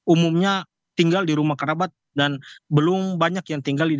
umumnya tinggal di rumah kerabat dan belum banyak yang tinggal di